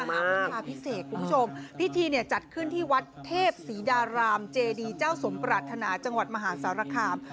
มหาวุธาพิเศษคุณผู้ชมพิธีเนี่ยจัดขึ้นที่วัดเทพศรีดารามเจดีเจ้าสมปรารถนาจังหวัดมหาสารคาม